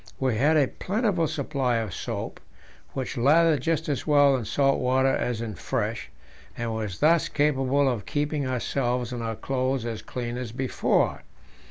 We had a plentiful supply of soap, which lathered just as well in salt water as in fresh, and was thus capable of keeping ourselves and our clothes as clean as before.